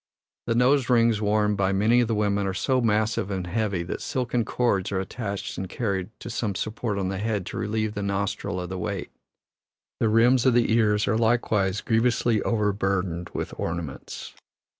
The nose rings worn by many of the women are so massive and heavy that silken cords are attached and carried to some support on the head to relieve the nostril of the weight. The rims of the ears are likewise grievously overburdened with ornaments.